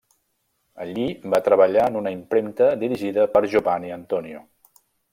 Allí va treballar en una impremta dirigida per Giovanni Antonio.